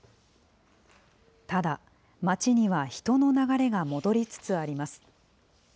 ただ、街には人の流れが戻りつつあります。